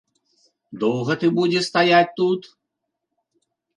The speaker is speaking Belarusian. Доўга ты будзеш стаяць тут?